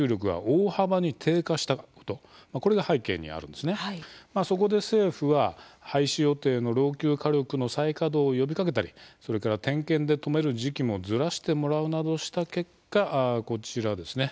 まあそこで政府は廃止予定の老朽火力の再稼働を呼びかけたりそれから点検で止める時期もずらしてもらうなどした結果こちらですね。